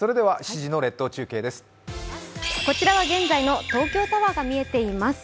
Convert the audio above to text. こちらは現在の東京タワーが見えています。